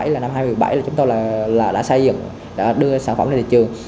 là năm hai nghìn một mươi bảy là chúng tôi đã xây dựng đã đưa sản phẩm ra thị trường